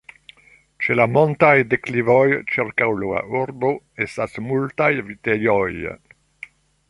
Ĉe la montaj deklivoj ĉirkaŭ la urbo estas multaj vitejoj.